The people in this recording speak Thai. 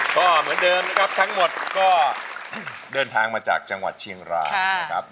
ก็เหมือนเดิมนะครับทั้งหมดก็เดินทางมาจากจังหวัดเชียงรายนะครับ